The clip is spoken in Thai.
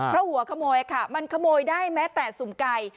เพราะหัวขโมยค่ะมันขโมยได้แม้แต่สุ่มไก่